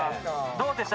どうでした？